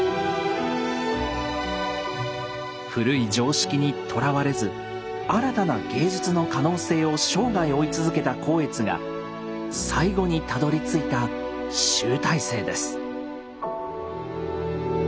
古い常識にとらわれず新たな芸術の可能性を生涯追い続けた光悦が最後にたどりついた集大成です。